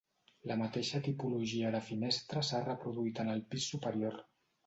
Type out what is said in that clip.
La mateixa tipologia de finestra s'ha reproduït en el pis superior.